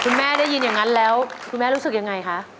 คุณแม่ได้ยินอย่างนั้นแล้วคุณแม่รู้สึกอย่างไรคะ